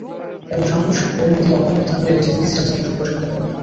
এমন সাংঘর্ষিক করনীতি অব্যাহত থাকলে দেশে ডিজিটাল সেবা সম্প্রসারিত হবে না।